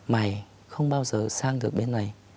mày không bao giờ sang được bên này